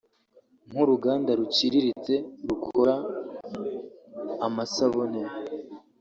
nk’uruganda ruciritse rukora amsabune